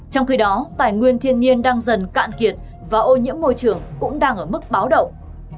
trong khi đó tài nguyên thiên nhiên đang dần cạn kiệt và ô nhiễm môi trường cũng đang ở mức báo động